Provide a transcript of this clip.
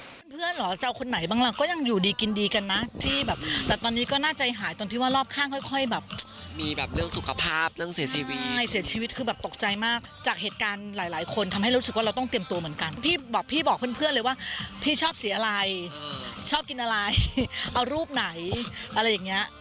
บอกเพื่อนเลยว่าพี่ชอบเสียอะไรชอบกินอะไรเอารูปไหนอะไรอย่างนี้